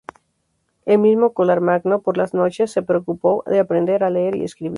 El mismo Carlomagno, por las noches, se preocupó de aprender a leer y escribir.